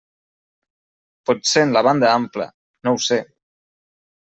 Potser en la banda ampla, no ho sé.